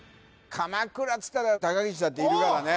鎌倉っつったら高岸だっているからね